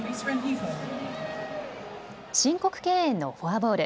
申告敬遠のフォアボール。